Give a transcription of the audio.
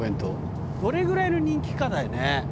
どれぐらいの人気かだよね。